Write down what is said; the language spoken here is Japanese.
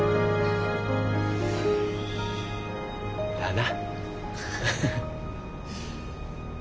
だな。